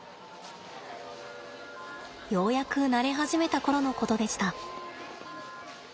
ようやく慣れ始めた頃のことでした。